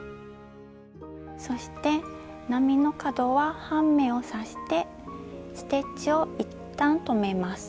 そして波の角は半目を刺してステッチを一旦とめます。